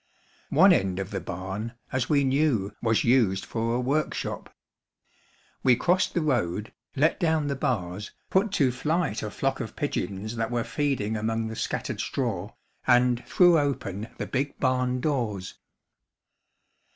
One end of the barn, as we knew, was used for a workshop. We crossed the road, let down the bars, put to flight a flock of pigeons that were feeding among the scattered straw, and threw open the big barn doors.